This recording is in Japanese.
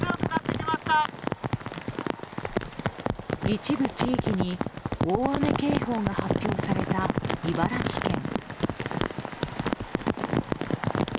一部地域に大雨警報が発表された茨城県。